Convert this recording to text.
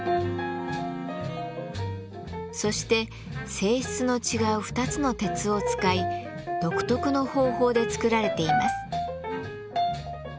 そして性質の違う２つの鉄を使い独特の方法で作られています。